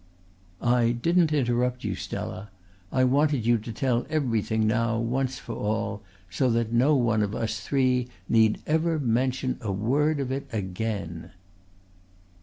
"I didn't interrupt you, Stella. I wanted you to tell everything now, once for all, so that no one of us three need ever mention a word of it again."